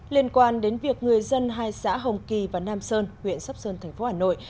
liên quan đến việc người dân hai xã hồng kỳ và nam sơn huyện sóc sơn thành phố hà nội